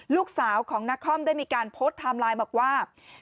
ลูกสาวของนครได้มีการโพสต์ไทม์ไลน์บอกว่า